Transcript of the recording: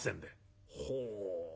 「ほう。